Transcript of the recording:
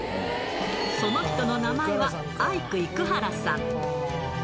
その人の名前は、アイク生原さん。